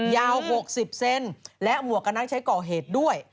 ยาว๖๐เซนต์และหมวกกำลังใช้ก่อเหตุด้วย